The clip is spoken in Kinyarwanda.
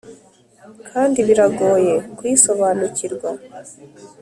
kandi biragoye kuyisobanukirwa,